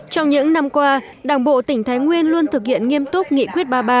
trong những năm qua đảng bộ tỉnh thái nguyên luôn thực hiện nghiêm túc nghị quyết ba mươi ba